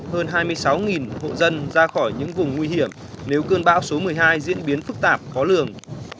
hơn hai mươi sáu hộ dân ra khỏi những vùng nguy hiểm nếu cơn bão số một mươi hai diễn biến phức tạp khó lường